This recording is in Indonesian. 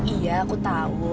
iya aku tahu